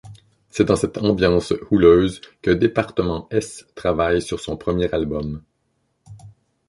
C'est dans cette ambiance houleuse que Department S travaille sur son premier album.